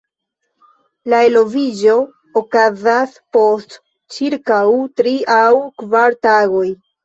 La eloviĝo okazas post ĉirkaŭ tri aŭ kvar tagoj.